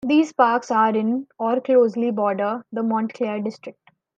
These parks are in or closely border the Montclair district.